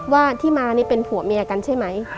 ว่าที่มานี่เป็นผัวเมียกันใช่ไหม